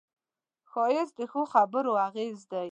ښایست د ښو خبرو اغېز دی